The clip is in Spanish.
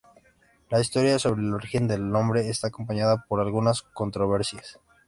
La historia sobre el origen del nombre está acompañada por algunas controversias.